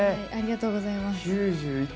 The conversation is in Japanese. ありがとうございます。